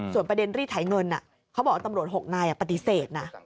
ส่วนประเด็นรีดไถเงินเขาบอกว่าตำรวจ๖นายปฏิเสธนะ